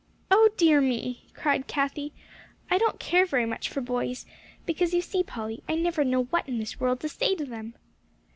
"Oh dear me!" cried Cathie, "I don't care very much for boys, because, you see, Polly, I never know what in this world to say to them."